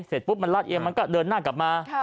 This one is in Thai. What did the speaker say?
เสร็จปุ๊บมันลาดเอียงมันก็เดินหน้ากลับมา